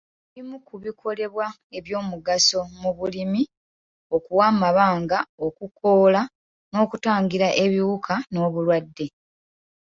Ebimu ku bikolebwa eby'omugaso mu bulimi okuwa amabanga, okukoola, n'okutangira ebiwuka n'obulwadde.